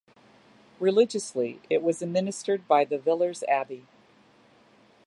Religiously, it was administered by the Villers Abbey.